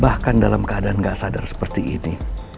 sejak waktu saya ke dalam keadaan gak sadar seperti ini